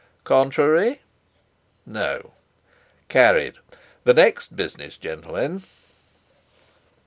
Contrary—no. Carried. The next business, gentlemen...."